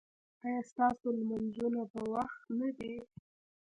ایا ستاسو لمونځونه په وخت نه دي؟